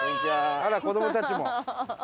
あら子どもたちも。